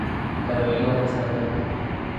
나를 의리가 없는 사람이라고 해도 좋다.